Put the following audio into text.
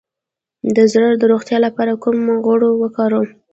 د زړه د روغتیا لپاره کوم غوړ وکاروم؟